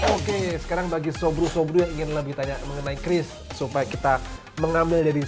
oke sekarang bagi sobru sobro yang ingin lebih tanya mengenai chris supaya kita mengambil dari